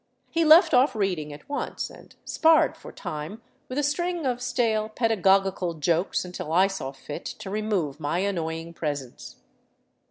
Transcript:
He left off reading at once, and sparred for time with a string of stale pedagogical jokes until I saw fit to re move my annoying presence.